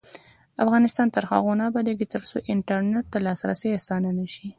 افغانستان تر هغو نه ابادیږي، ترڅو انټرنیټ ته لاسرسی اسانه نشي.